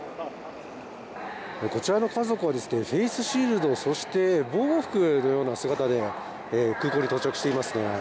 こちらの家族はフェイスシールドそして防護服のような姿で空港に到着していますね。